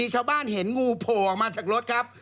เห็นงูโผล่ออกมาจากรถครับ